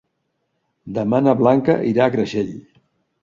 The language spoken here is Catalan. Demà na Blanca irà a Creixell.